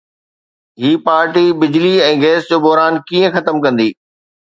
هي party بجلي ۽ gas جو بحران ڪيئن ختم ڪندي؟